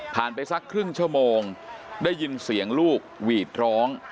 ไปสักครึ่งชั่วโมงได้ยินเสียงลูกหวีดร้อง